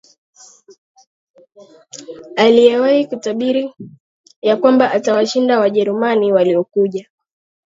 Aliyewahi kutabiri ya kwamba atawashinda Wajerumani waliokuja